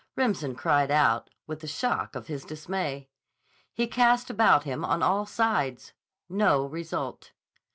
Remsen cried out, with the shock of his dismay. He cast about him on all sides. No result.